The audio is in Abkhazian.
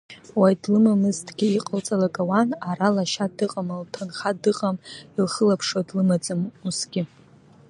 Уаҩ длымамызҭгьы, иҟалҵалак ауан, ара лашьа дыҟам, лҭынха дыҟам, илхылаԥшуа длымаӡам усгьы.